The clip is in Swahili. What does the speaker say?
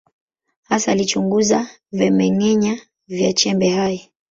Hasa alichunguza vimeng’enya vya chembe hai.